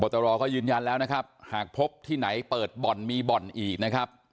ตรก็ยืนยันแล้วนะครับหากพบที่ไหนเปิดบ่อนมีบ่อนอีกนะครับ